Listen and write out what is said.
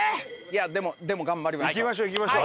いやでも頑張ります。